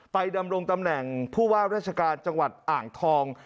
ดำรงตำแหน่งผู้ว่าราชการจังหวัดอ่างทอง